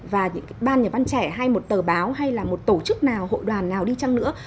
và những ban nhà văn trẻ hay một tờ báo hay là một tổ chức nào hội đoàn nào đi chăng nữa